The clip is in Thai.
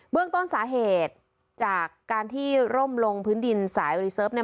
เรื่องต้นสาเหตุจากการที่ร่มลงพื้นดินสายรีเซิร์ฟเนี่ย